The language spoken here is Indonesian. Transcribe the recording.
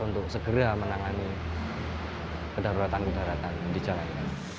untuk segera menangani kedaruratan kedaruratan di jalan ini